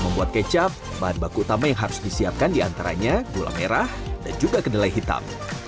membuat kecap bahan baku utama yang harus disiapkan diantaranya gula merah dan juga kedelai hitam